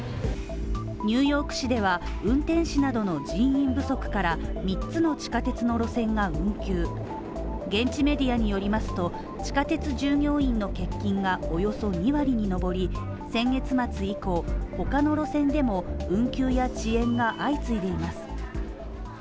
ニューヨーク市では、運転士などの人員不足から三つの地下鉄の路線が運休、現地メディアによりますと、地下鉄従業員の欠勤がおよそ２割に上り、先月末以降、他の路線でも運休や遅延が相次いでいます